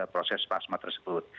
proses plasma tersebut